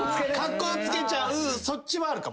カッコつけちゃうそっちはあるかも。